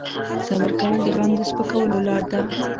صبر کول د غم د سپکولو لاره ده.